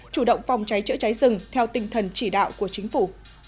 chủ động phòng cháy chữa cháy rừng theo tinh thần chỉ đạo của chính phủ